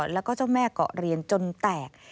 แล้วก็เจ้าแม่เกาะเรียนจนแตก